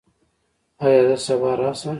ایا زه سبا راشم؟